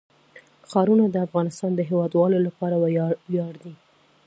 ښارونه د افغانستان د هیوادوالو لپاره ویاړ دی.